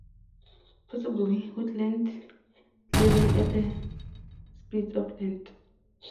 Possibly 'woodland clearing at the spits of land'.